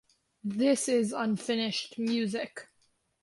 This is Unfinished Music.